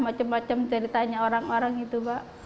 macem macem ceritanya orang orang itu pak